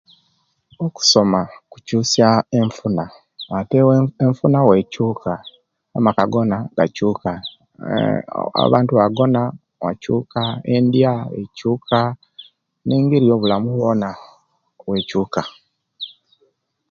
Okusoma kukyusya enfuna ate ewe enfuna wekyuka amaka gona gakyuka eeh ooh abantu ebagona wakyuka endiya ekyukaa ne'ngeri yo bulamu bwona bukyuka